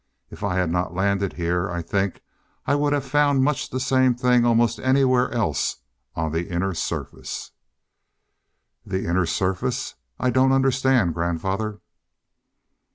If I had not landed here, I think I would have found much the same thing almost anywhere else on the Inner Surface." "The Inner Surface? I don't understand, grandfather."